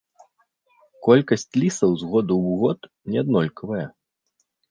Колькасць лісаў з году ў год неаднолькавая.